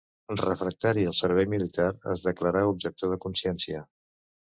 Refractari al servei militar, es declarà objector de consciència.